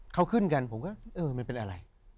เขาขึ้นกันผมก็เออมันเป็นอะไร